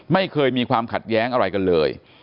ไม่เคยมีความขัดแย้งอะไรกันเลย